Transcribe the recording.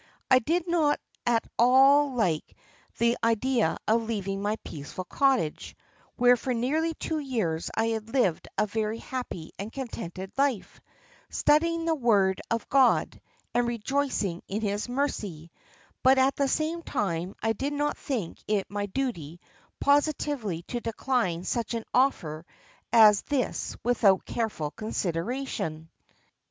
I did not at all like the idea of leaving my peaceful cottage, where for nearly two years I had lived a very happy and contented life, studying the Word of God, and rejoicing in His mercy, but at the same time I did not think it my duty positively to decline such an offer as this without careful consideration.